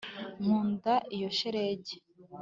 nkunda iyo shelegi